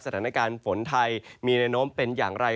สถานการณ์ฝนไทยมีแนวโน้มเป็นอย่างไร